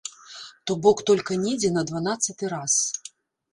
То бок толькі недзе на дванаццаты раз.